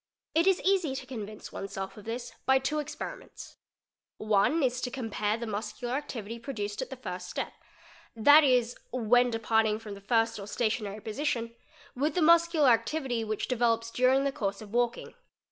It is easy to convince oneself of this by two experiments. One is to — compare the muscular activity produced at the first step, that is when '| departing from the first or stationary position, with the muscular activity which develops during the course of walking.